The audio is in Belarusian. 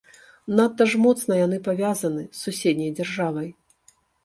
Надта ж моцна яны павязаны з суседняй дзяржавай.